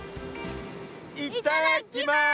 いっただきます！